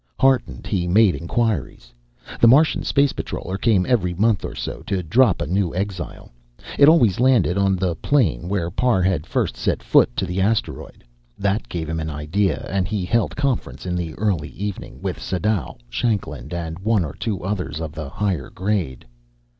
Heartened, he made inquiries. The Martian space patroller came every month or so, to drop a new exile. It always landed on the plain where Parr had first set foot to the asteroid. That gave him an idea, and he held conference in the early evening, with Sadau, Shanklin, and one or two others of the higher grade.